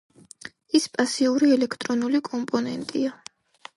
ის პასიური ელექტრონული კომპონენტია.